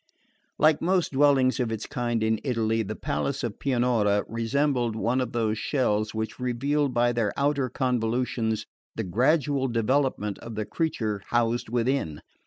Like most dwellings of its kind in Italy, the palace of Pianura resembled one of those shells which reveal by their outer convolutions the gradual development of the creature housed within.